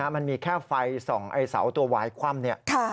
มันมีแค่ไฟส่องไอ้เสาตัววายคว่ำเนี่ย